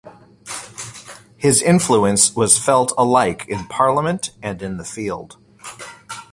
His influence was felt alike in parliament and in the field.